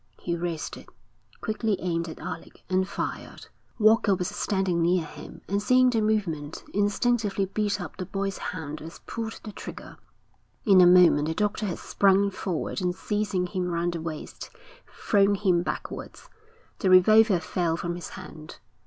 He raised it, quickly aimed at Alec, and fired. Walker was standing near him, and seeing the movement, instinctively beat up the boy's hand as pulled the trigger. In a moment the doctor had sprung forward and seizing him round the waist, thrown him backwards. The revolver fell from his hand.